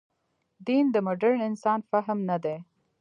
دین د مډرن انسان فهم نه دی.